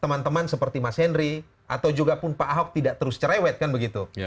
teman teman seperti mas henry atau juga pun pak ahok tidak terus cerewet kan begitu